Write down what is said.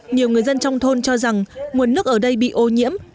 nhiều người dân trong thôn cho rằng nguồn nước ở đây bị ô nhiễm